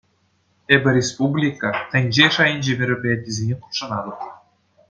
Эпӗ республика, тӗнче шайӗнчи мероприятисене хутшӑнатӑп.